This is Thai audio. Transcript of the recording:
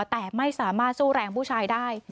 แต่ไม่สามารถสู้แรงผู้ชายได้